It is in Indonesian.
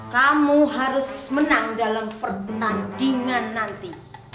kamu harus menang dalam pertandingan nanti